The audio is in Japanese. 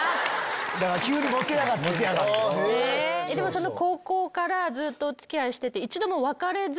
その高校からずっとお付き合いしてて。